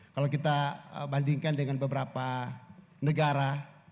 kalau kita bandingkan dengan beberapa negara